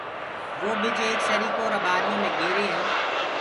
وو ٻج ايڪ سريڪو اُرآ ٻآريو مي گري ائين